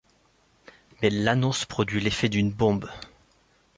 Mais l'annonce produit l'effet d'une bombe.